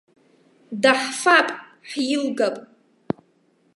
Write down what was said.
Даҳфап, ҳилгап!